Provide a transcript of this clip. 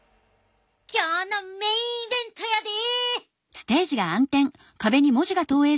今日のメインイベントやで！